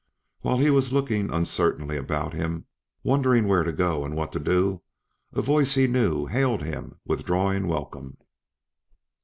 While he was looking uncertainly about him, wondering where to go and what to do, a voice he knew hailed him with drawling welcome.